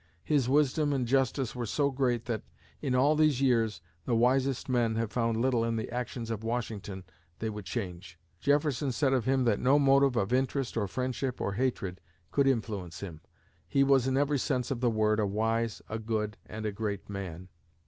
His wisdom and justice were so great that, in all these years, the wisest men have found little in the actions of Washington they would change. Jefferson said of him that no motive of interest or friendship or hatred could influence him; "he was in every sense of the word a wise, a good and a great man."